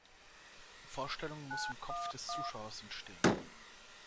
Die Vorstellung muss im Kopf des Zuschauers entstehen.